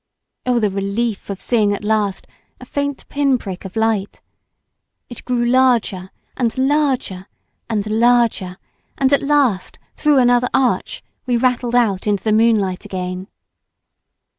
Oh, the relief of seeing at last a faint pin prick of light! It grew larger and larger and larger, and at last, through another arch, we rattled out into the moonlight again.